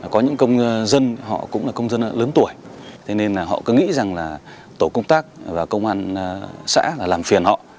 có những công dân họ cũng là công dân lớn tuổi thế nên họ cứ nghĩ rằng là tổ công tác và công an xã làm truyền họ